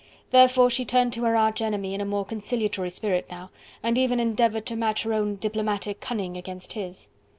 Therefore she turned to her arch enemy in a more conciliatory spirit now, and even endeavoured to match her own diplomatic cunning against his.